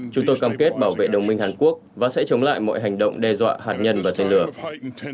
chúng tôi cam kết bảo vệ đồng minh hàn quốc và sẽ chống lại mọi hành động đe dọa hạt nhân và tên lửa